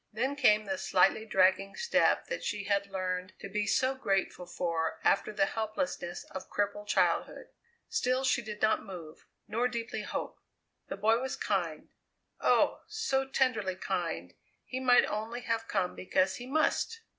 Then came the slightly dragging step that she had learned to be so grateful for after the helplessness of crippled childhood. Still she did not move, nor deeply hope. The boy was kind, oh! so tenderly kind, he might only have come because he must!